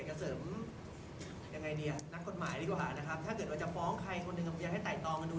คือผมเองก็จะเอาความจริงมาคุยกับประชาชนอยู่แล้ว